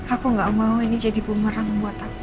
aku gak mau ini jadi bumatang buat aku